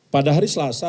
pada hari selasa